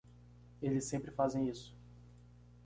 Eles sempre fazem isso.